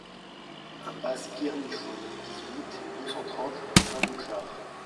Impasse Pierre Michot, dix-huit, deux cent trente Saint-Doulchard